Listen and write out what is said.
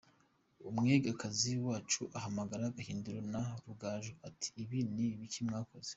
Umwegakazi wacu ahamagara Gahindiro na Rugaju, ati ibi ni ibiki mwakoze?